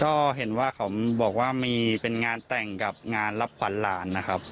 ก็เห็นว่าเขาบอกว่ามีเป็นงานแต่งกับงานรับขวัญหลานนะครับ